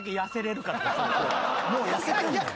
もう痩せてんねん。